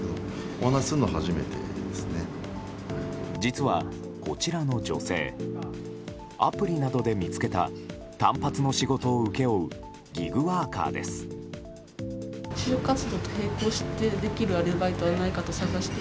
実は、こちらの女性アプリなどで見つけた単発の仕事を請け負うギグワーカーです。